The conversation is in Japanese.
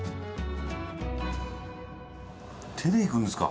手でいくんですか？